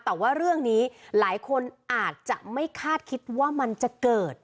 แต่ว่าเรื่องนี้หลายคนอาจจะไม่คาดคิดว่ามันจะเกิด